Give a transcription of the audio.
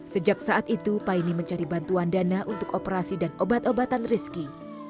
sejak saat itu paine mencari bantuan dana untuk operasi dan obat obatan rizki